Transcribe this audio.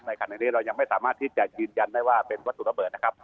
ขณะนี้เรายังไม่สามารถที่จะยืนยันได้ว่าเป็นวัตถุระเบิดนะครับ